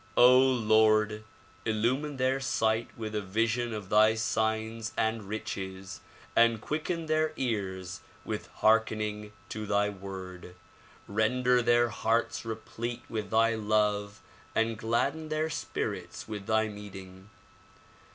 O Lord! Illumine their sight with a vision of thy signs and riches and quicken their ears with hearkening to thy word. Render their hearts replete with thy love and gladden their spirits with thy meeting.